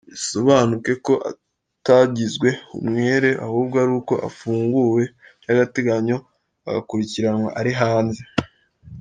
Bisobanuke ko atagizwe umwere ahubwo ari uko afunguwe by’agateganyo agakurikiranwa ari hanze.